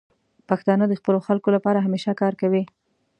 پښتانه د خپلو خلکو لپاره همیشه کار کوي.